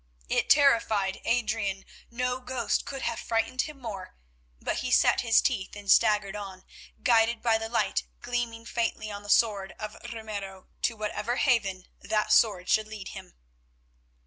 It terrified Adrian; no ghost could have frightened him more, but he set his teeth and staggered on, guided by the light gleaming faintly on the sword of Ramiro—to whatever haven that sword should lead him.